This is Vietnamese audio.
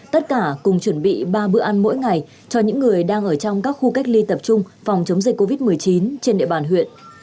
tất cả cùng chuẩn bị ba bữa ăn mỗi ngày cho những người đang ở trong các khu cách ly tập trung phòng chống dịch covid một mươi chín trên địa bàn huyện